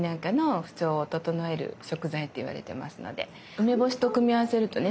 梅干しと組み合わせるとね